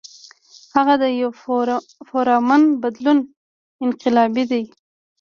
هغه د يو پُرامن بدلون انقلابي دے ۔